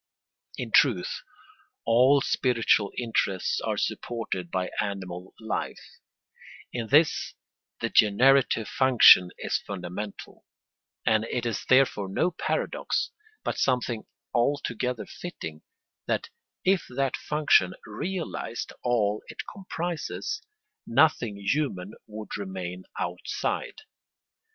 In truth, all spiritual interests are supported by animal life; in this the generative function is fundamental; and it is therefore no paradox, but something altogether fitting, that if that function realised all it comprises, nothing human would remain outside.